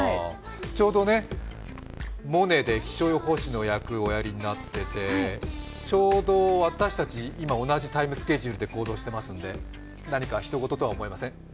ちょうど「モネ」で気象予報士の役をおやりになっていてちょうど私たち、今、同じタイムスケジュールで行動してますので何かひと事とは思えません。